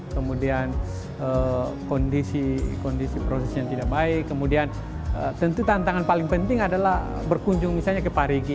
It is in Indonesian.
kemudian kondisi prosesnya tidak baik kemudian tentu tantangan paling penting adalah berkunjung misalnya ke parigi